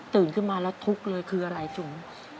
ขึ้นมาแล้วทุกข์เลยคืออะไรจุ๋ม